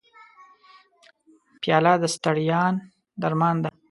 پیاله د ستړیا درمان ده.